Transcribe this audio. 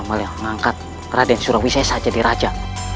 memang yang mengangkat raden surawisesa jadi raja